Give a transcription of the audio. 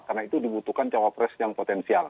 karena itu dibutuhkan cawapres yang potensial